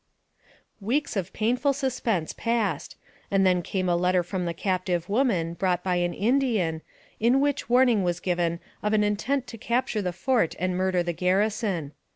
Weeks of painful suspense passed, and then came a letter from the captive woman, brought by an Indian, in which warning was given of an intent to capture the fort and murder the garrison.